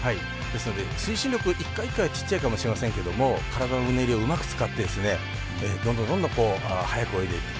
ですので、推進力一回一回はちっちゃいかもしれませんけど体のうねりをうまく使ってどんどん速く泳いでいく。